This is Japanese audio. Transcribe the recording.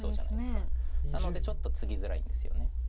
なのでちょっとツギづらいんですよね。